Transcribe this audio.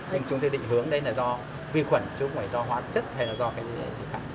nên chúng tôi định hướng đây là do vi khuẩn chứ không phải do hóa chất hay là do cái gì cả